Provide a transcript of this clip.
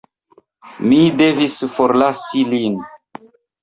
Mi devis forlasi lin.